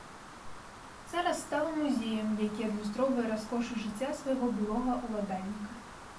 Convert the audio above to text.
Зараз стала музеем, які адлюстроўвае раскошу жыцця свайго былога ўладальніка.